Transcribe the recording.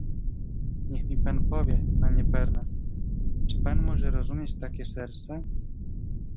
"Niech mi pan powie, panie Pernat, czy pan może rozumieć takie serca?"